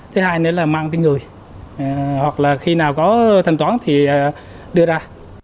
thứ hai nữa là mang cái người hoặc là khi nào có thanh toán thì đưa ra